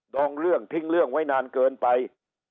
องเรื่องทิ้งเรื่องไว้นานเกินไป